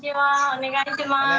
お願いします。